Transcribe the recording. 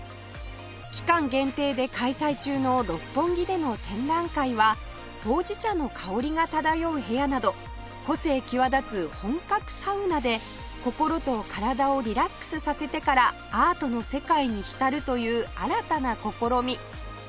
期間限定で開催中の六本木での展覧会はほうじ茶の香りが漂う部屋など個性際立つ本格サウナで心と体をリラックスさせてからアートの世界に浸るという新たな試み